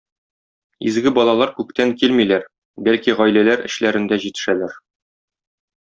Изге балалар күктән килмиләр, бәлки гаиләләр эчләрендә җитешәләр.